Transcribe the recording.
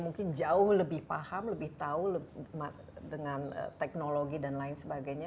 mungkin jauh lebih paham lebih tahu dengan teknologi dan lain sebagainya